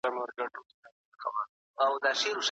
ډګر څېړونکی له خلکو سره ګوري.